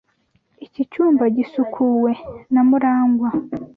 Iki cyumba gisukuwe na Murangwa.